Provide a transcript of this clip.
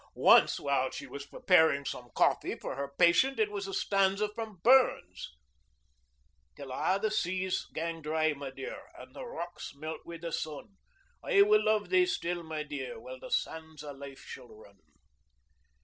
Once, while she was preparing some coffee for her patient, it was a stanza from Burns: "Till a' the seas gang dry, my dear, And the rocks melt wi' the sun: I will luve thee still, my dear, While the sands o' life shall run."